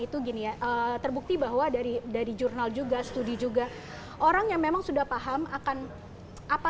itu gini ya terbukti bahwa dari dari jurnal juga studi juga orang yang memang sudah paham akan apa